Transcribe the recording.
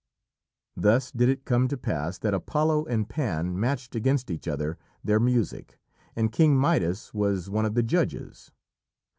Thus did it come to pass that Apollo and Pan matched against each other their music, and King Midas was one of the judges.